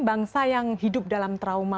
bangsa yang hidup dalam trauma